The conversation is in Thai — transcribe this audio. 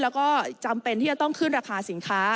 แล้วก็จำเป็นที่จะต้องขึ้นราคาสินค้า